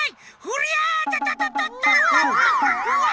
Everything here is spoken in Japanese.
うわ！